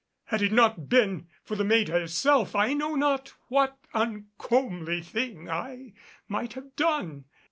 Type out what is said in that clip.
Had it not been for the maid herself I know not what uncomely thing I might have done.